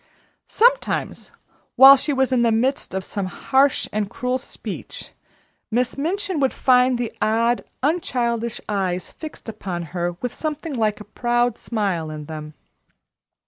Sometimes, while she was in the midst of some harsh and cruel speech, Miss Minchin would find the odd, unchildish eyes fixed upon her with something like a proud smile in them.